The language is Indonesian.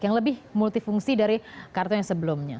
yang lebih multifungsi dari kartu yang sebelumnya